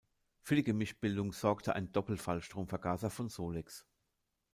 Für die Gemischbildung sorgte ein Doppel-Fallstromvergaser von Solex.